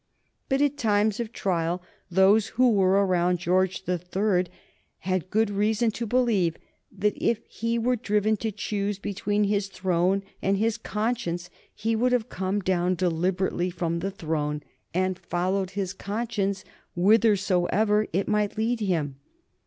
But at times of trial those who were around George the Third had good reason to believe that if he were driven to choose between his throne and his conscience he would have come down deliberately from the throne and followed his conscience whithersoever it might lead him.